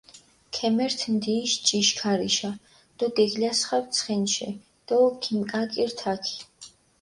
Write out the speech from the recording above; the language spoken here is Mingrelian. ქემერთჷ ნდიიში ჭიშქარიშა დო გეგლასხაპჷ ცხენიშე დო ქიმიკაკირჷ თაქი.